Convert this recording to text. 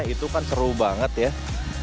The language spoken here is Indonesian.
itu kan seru banget ya